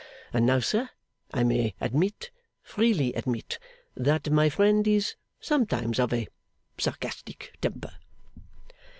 And now, sir, I may admit, freely admit, that my friend is sometimes of a sarcastic temper.